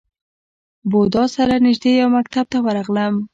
بودا سره نژدې یو مکتب ته ورغلم.